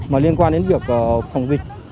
mà liên quan đến việc phòng dịch